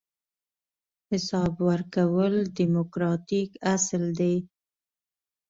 حساب ورکول دیموکراتیک اصل دی.